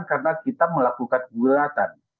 karena kita melakukan gugatan